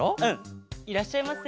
いらっしゃいませ。